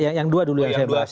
yang dua dulu yang saya bahas